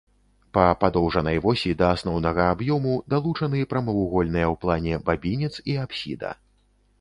Па падоўжанай восі да асноўнага аб'ёму далучаны прамавугольныя ў плане бабінец і апсіда.